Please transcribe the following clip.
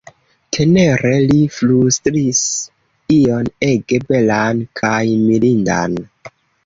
Tenere li flustris ion ege belan kaj mirindan.